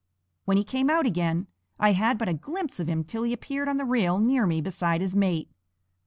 When he came out again I had but a glimpse of him till he appeared on the rail near me beside his mate.